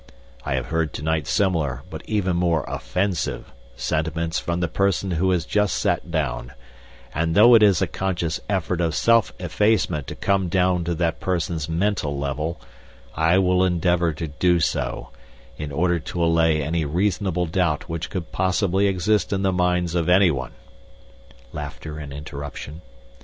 I have heard to night similar, but even more offensive, sentiments from the person who has just sat down, and though it is a conscious effort of self effacement to come down to that person's mental level, I will endeavor to do so, in order to allay any reasonable doubt which could possibly exist in the minds of anyone.' (Laughter and interruption.)